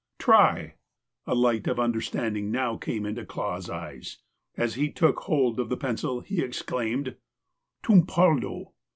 try !" A light of understanding now came into Clah's eyes. As he took hold of the pencil he exclaimed :*' Tumpaldo